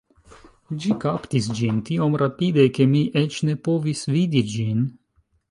Ĝi kaptis ĝin tiom rapide, ke mi eĉ ne povis vidi ĝin